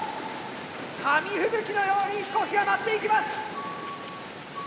紙吹雪のように飛行機が舞っていきます。